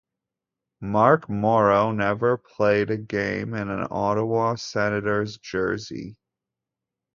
Marc Moro never played a game in an Ottawa Senators jersey.